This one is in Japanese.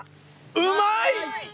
うまいッ！